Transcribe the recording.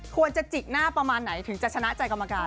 จิกหน้าประมาณไหนถึงจะชนะใจกรรมการ